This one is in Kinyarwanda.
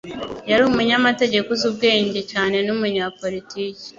Yari umunyamategeko uzi ubwenge cyane numunyapolitiki.